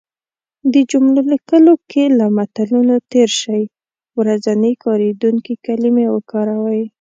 د جملو لیکلو کې له متلونو تېر شی. ورځنی کارېدونکې کلمې وکاروی